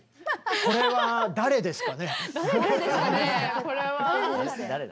これは誰ですかね？